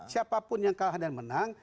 siapapun yang kalah dan menang